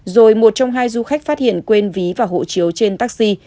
rồi một trong hai du khách phát hiện quên ví và hộ chiếu trên taxi